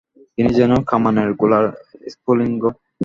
তিনি যেন কামানের গোলার স্ফুলিঙ্গ।